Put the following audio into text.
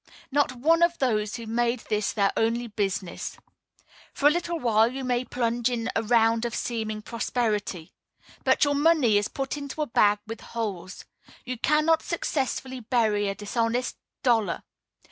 not one of those who made this their only business." For a little while you may plunge in a round of seeming prosperity; but your money is put into a bag with holes. You cannot successfully bury a dishonest dollar.